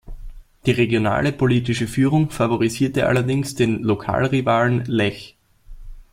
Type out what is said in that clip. Die regionale politische Führung favorisierte allerdings den Lokalrivalen "Lech".